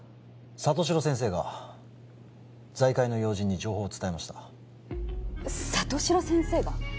里城先生が財界の要人に情報を伝えました里城先生が？